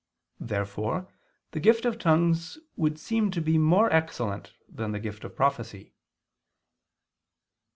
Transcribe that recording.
Therefore the gift of tongues would seem to be more excellent than the gift of prophecy.